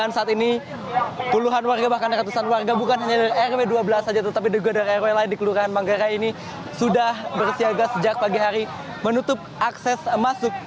dan saat ini puluhan warga bahkan ratusan warga bukan hanya dari rw dua belas saja tetapi juga dari rw lain di kelurahan manggarai ini sudah bersiaga sejak pagi hari menutup akses masuk